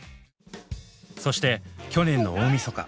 そして去年の大みそか。